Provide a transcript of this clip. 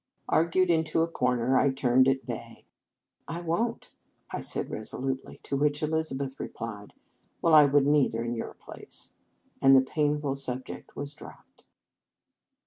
Argued into a corner, I turned at bay. "I won t," I said resolutely; to which Elizabeth replied: "Well, I would n t either, in your place," and the painful subject was dropped.